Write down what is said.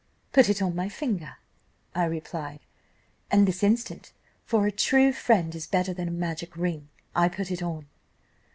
"'Put it on my finger,' I replied; 'and this instant, for a true friend is better than a magic ring, I put it on.